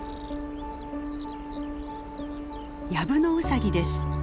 ヤブノウサギです。